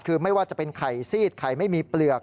คือไม่ว่าจะเป็นไข่ซีดไข่ไม่มีเปลือก